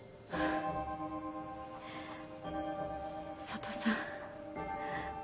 佐都さん。